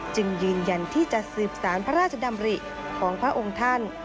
จึงยืนยันที่จะสืบสารพระราชดำริของพระองค์ท่าน